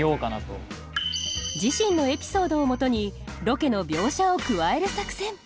自身のエピソードをもとにロケの描写を加える作戦